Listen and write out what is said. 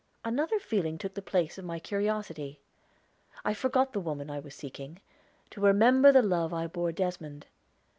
Another feeling took the place of my curiosity. I forgot the woman I was seeking, to remember the love I bore Desmond.